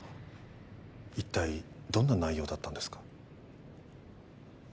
一体どんな内容だったんですか？